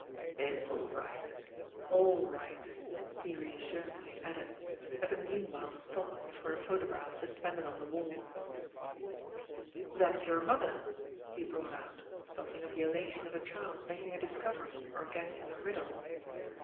"It's all right all right!" he reassuringly added, having meanwhile stopped before a photograph suspended on the wall. "That's your mother!" he brought out with something of the elation of a child making a discovery or guessing a riddle.